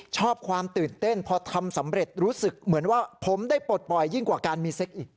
ชอบความตื่นเต้นพอทำสำเร็จรู้สึกเหมือนว่าผมได้ปลดปล่อยยิ่งกว่าการมีเซ็กอีก